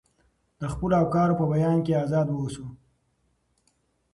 د خپلو افکارو په بیان کې ازاد واوسو.